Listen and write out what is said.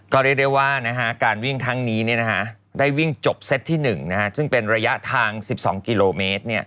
ก็เรียกได้ว่าการวิ่งครั้งนี้ได้วิ่งจบเซตที่๑ซึ่งเป็นระยะทาง๑๒กิโลเมตร